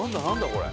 これ。